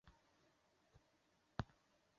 宽翼棘豆为豆科棘豆属下的一个种。